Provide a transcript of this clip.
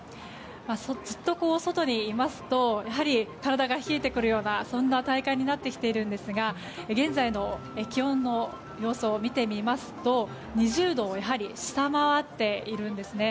ずっと外にいますとやはり体が冷えてくるようなそんな体感になってきているんですが現在の気温の様子を見てみますと２０度を下回っているんですね。